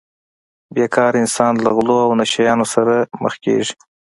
بې کاره انسان له غلو او نشه یانو سره مخ کیږي